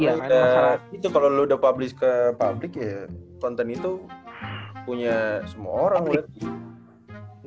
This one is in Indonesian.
karena itu kalo lo udah publis ke publik ya konten itu punya semua orang udah